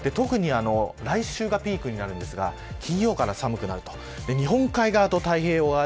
特に来週がピークになるんですが金曜から寒くなる。